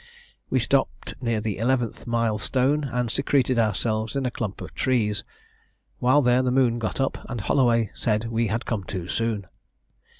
We stopped near the eleventh mile stone, and secreted ourselves in a clump of trees. While there, the moon got up, and Holloway said we had come too soon.